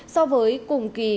so với cùng kỳ